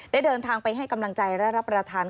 เดินทางไปให้กำลังใจและรับประทาน